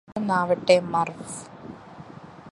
പെട്ടെന്നാവട്ടെ മര്ഫ്